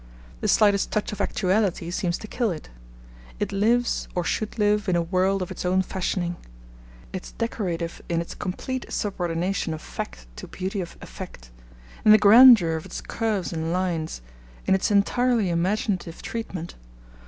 The slightest touch of actuality seems to kill it. It lives, or should live, in a world of its own fashioning. It is decorative in its complete subordination of fact to beauty of effect, in the grandeur of its curves and lines, in its entirely imaginative treatment.